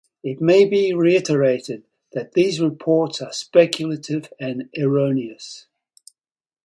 It may be reiterated that these reports are speculative and erroneous.